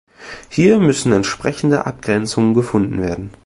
Hier müssen entsprechende Abgrenzungen gefunden werden.